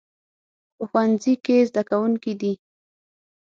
په ښوونځي کې زده کوونکي دي